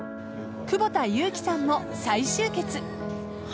久保田悠来さんも再集結。